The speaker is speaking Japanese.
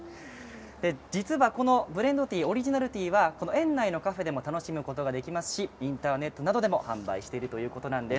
このブレンドティーオリジナリティーは園内で楽しむことができますしインターネットなどでも販売しているということです。